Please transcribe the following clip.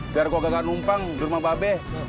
biar gua gagak numpang di rumah babe